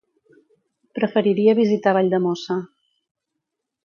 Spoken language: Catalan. Preferiria visitar Valldemossa.